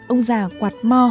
ông già quạt mo